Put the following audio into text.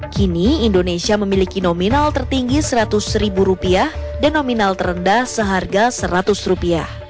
kini indonesia memiliki nominal tertinggi rp seratus dan nominal terendah seharga rp seratus